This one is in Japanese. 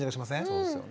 そうですよね。